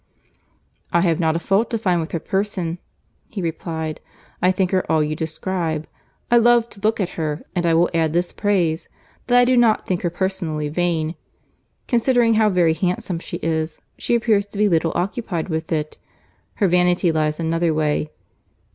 "I have not a fault to find with her person," he replied. "I think her all you describe. I love to look at her; and I will add this praise, that I do not think her personally vain. Considering how very handsome she is, she appears to be little occupied with it; her vanity lies another way.